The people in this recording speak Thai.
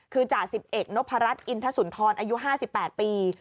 คือจ่าสิบเอกนพรัชอินทสุนทรอายุ๕๘ปี